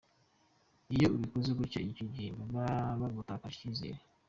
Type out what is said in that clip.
Iyo ubikoze gutyo icyo gihe baba bagutakarije icyizere.